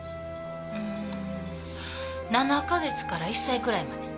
うん７か月から１歳くらいまで。